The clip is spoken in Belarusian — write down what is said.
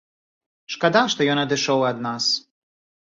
Шкада, што ён адышоў ад нас.